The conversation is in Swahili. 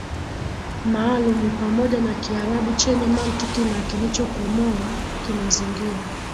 maalumu pamoja na Kiarabu chenye mantiki na kilichokomoa kimazingira